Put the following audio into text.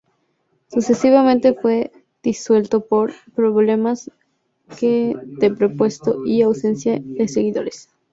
Sucesivamente fue disuelto por problemas de presupuesto y ausencia de seguidores.